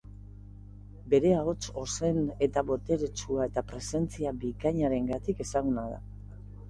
Bere ahots ozen eta boteretsua eta presentzia bikainarengatik ezaguna da.